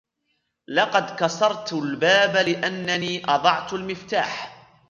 لقد كسرت الباب لأنني أضعت المفتاح.